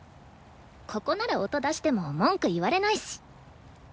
ここなら音出しても文句言われないし。